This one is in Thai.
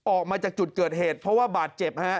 ออกมาจากจุดเกิดเหตุเพราะว่าบาดเจ็บฮะ